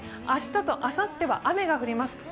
明日とあさっては雨が降ります。